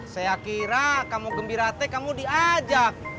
saya kira kamu gembira teh kamu diajak